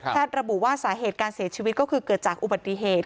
ระบุว่าสาเหตุการเสียชีวิตก็คือเกิดจากอุบัติเหตุ